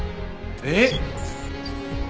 えっ！？